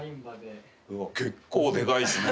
結構でかいっすね。